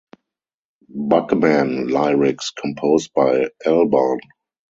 "Bugman" lyrics composed by Albarn.